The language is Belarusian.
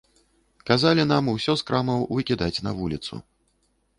Казалі нам усё з крамаў выкідаць на вуліцу.